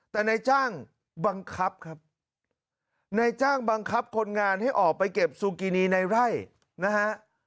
แต่นายจ้างบังคับครับนายจ้างบังคับคนงานให้ออกไปเก็บซูกินีในไร่นะฮะ